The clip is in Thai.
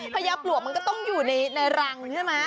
ญาปลวกมันก็ต้องอยู่ในรังใช่ไหม